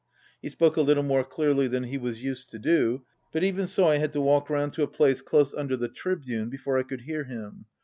He spoke a little more clearly than he was used to do, but even so I had to walk round to a place close under the tribune before I could hear him.